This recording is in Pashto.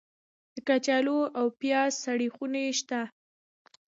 د کچالو او پیاز سړې خونې شته؟